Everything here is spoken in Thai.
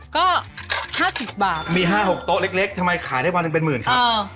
ก็ห้าสิบบาทมีห้าหกโต๊ะเล็กทำไมขายได้ว่าลืมเป็นหมื่นครับเออ